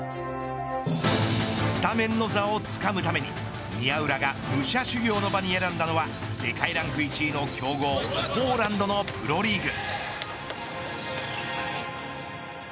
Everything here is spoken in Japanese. スタメンの座をつかむために宮浦が武者修行の場に選んだのは世界ランク１位の強豪ポーランドのプロリーグ。